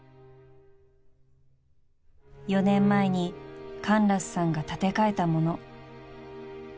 ［４年前にカンラスさんが建て替えたもの］